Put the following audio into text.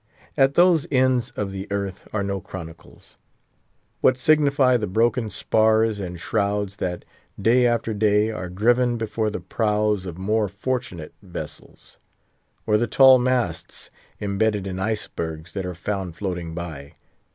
At those ends of the earth are no chronicles. What signify the broken spars and shrouds that, day after day, are driven before the prows of more fortunate vessels? or the tall masts, imbedded in icebergs, that are found floating by?